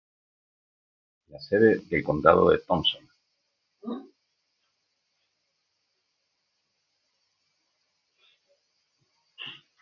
La sede del condado es Thomson.